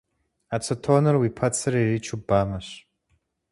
Ацетоныр уи пэцыр иричу бамэщ.